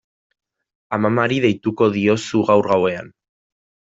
Amamari deituko diozu gaur gauean.